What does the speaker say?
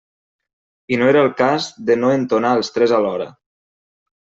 I no era el cas de no entonar els tres alhora.